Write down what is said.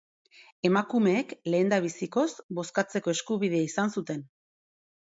Emakumeek lehendabizikoz bozkatzeko eskubidea izan zuten.